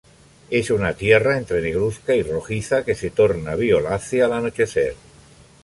Es una tierra entre negruzca y rojiza que se torna violácea al anochecer.